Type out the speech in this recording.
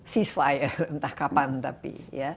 ceasefire entah kapan tapi